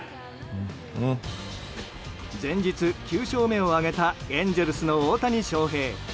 前日９勝目を挙げたエンゼルスの大谷翔平。